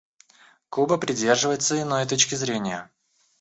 Куба придерживается иной точки зрения.